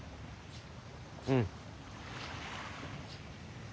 うん。